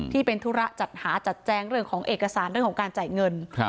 ธุระจัดหาจัดแจงเรื่องของเอกสารเรื่องของการจ่ายเงิน